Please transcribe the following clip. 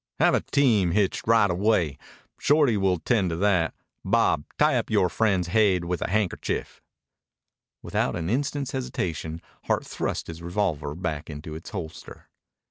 "Have a team hitched right away. Shorty will 'tend to that. Bob, tie up yore friend's haid with a handkerchief." Without an instant's hesitation Hart thrust his revolver back into its holster.